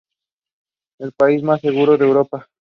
Es el país más seguro de Europa.